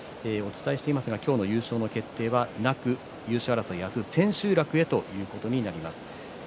今日の優勝の決定はなく優勝争いは明日千秋楽へということになります。